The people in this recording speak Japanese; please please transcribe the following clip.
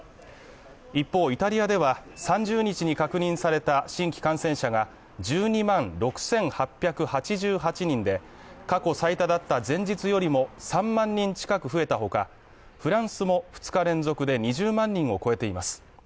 一方、イタリアでは３０日に確認された新規感染者が１２万６８８８人で、過去最多だった前日よりも３万人近く増えた他、フランスも２日連続で２０万人を超えています。